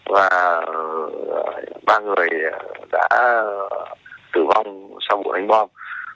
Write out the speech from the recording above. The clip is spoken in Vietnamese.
và ba người đã tử vong sau vụ đánh bom